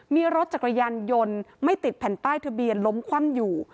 มีรถจักรยานยนต์ไม่ติดแผ่นป้ายทะเบียนล้มคว่ำอยู่